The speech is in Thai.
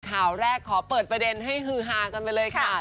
ข่าวแรกขอเปิดประเด็นให้ฮือฮากันไปเลยค่ะ